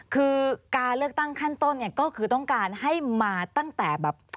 คือการเลือกตั้งขั้นต้นเนี่ยก็คือต้องการให้มาตั้งแต่แบบ